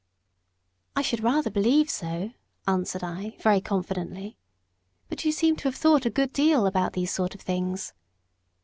"I should rather believe so," answered I, very confidently. "But you seem to have thought a good deal about these sort of things."